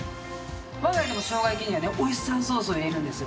我が家でもしょうが焼きにはねオイスターソースを入れるんですよ。